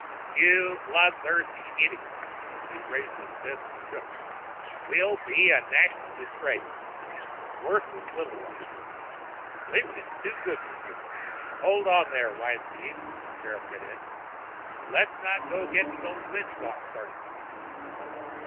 "You blood thirsty idiot!" He raised a fist and shook it. "We'll be a national disgrace worse than Little Rock! Lynching's too good for you!" "Hold on there, Weinstein," the sheriff cut in. "Let's not go gettin' no lynch talk started."